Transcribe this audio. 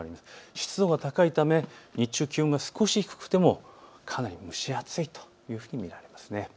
湿度が高いため日中気温が少し低くてもかなり蒸し暑いと見られます。